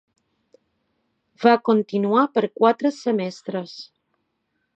Va continuar per quatre semestres.